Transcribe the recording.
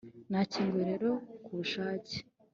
nakinguye rero ku bushake